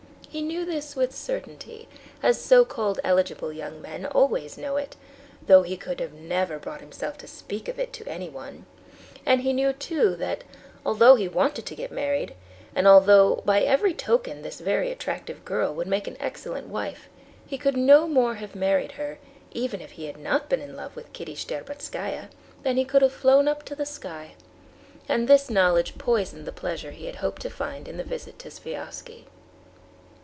He knew this with certainty, as so called eligible young men always know it, though he could never have brought himself to speak of it to anyone; and he knew too that, although he wanted to get married, and although by every token this very attractive girl would make an excellent wife, he could no more have married her, even if he had not been in love with Kitty Shtcherbatskaya, than he could have flown up to the sky. And this knowledge poisoned the pleasure he had hoped to find in the visit to Sviazhsky.